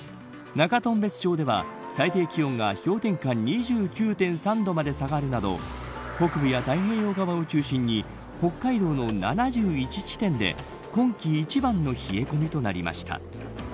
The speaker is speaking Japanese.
中頓別町では最低気温が氷点下２９．３度まで下がるなど北部や太平洋側を中心に北海道の７１地点で今季一番の冷え込みとなりました。